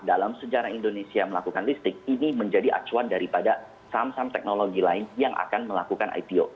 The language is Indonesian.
dalam sejarah indonesia melakukan listrik ini menjadi acuan daripada saham saham teknologi lain yang akan melakukan ipo